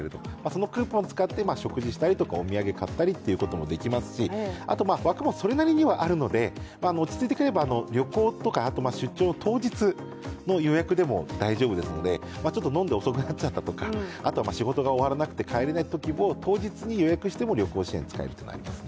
そのクーポン使って食事したりお土産買ったりということもできますのであと枠もそれなりにあるので落ち着いて買えば、旅行とか出張当日の予約でも大丈夫ですので、ちょっと飲んで遅くなっちゃったとか、あと仕事が終わらなくて帰れなくなっても当日に予約しても旅行支援を使えます。